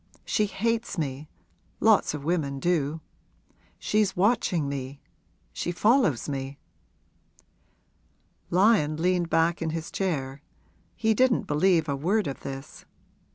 She hates me lots of women do. She's watching me she follows me.' Lyon leaned back in his chair he didn't believe a word of this.